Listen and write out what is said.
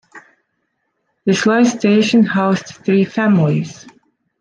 This light station housed three families.